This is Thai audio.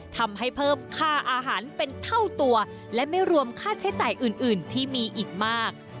ทำให้เพิ่มค่าอาหารเป็นเท่าตัวและไม่รวมค่าใช้จ่ายอื่นที่มีอีกมาก